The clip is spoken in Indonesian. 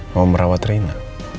mau merawat rina